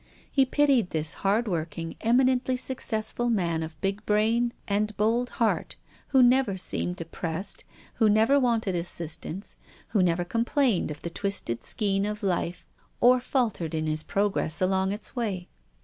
He pitied this hard working, eminently successful man of big brain and bold heart, who never seemed de pressed, who never wanted assistance, who never complained of the twisted skein of life or faltered in his progress along its way.